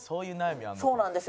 そうなんですよ。